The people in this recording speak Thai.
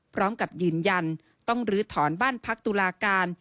พร้อมกับยืนยันต้องลื้อถอนบ้านพักตุลาการ